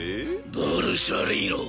ボルサリーノ。